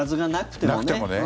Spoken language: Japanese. なくてもね。